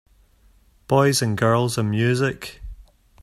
Boys and girls and music.